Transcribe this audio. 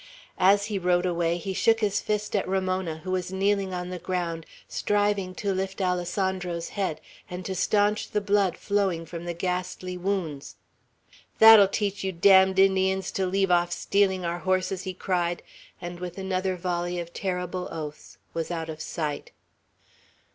As he rode away, he shook his fist at Ramona, who was kneeling on the ground, striving to lift Alessandro's head, and to stanch the blood flowing from the ghastly wounds. "That'll teach you damned Indians to leave off stealing our horses!" he cried, and with another volley of terrible oaths was out of sight.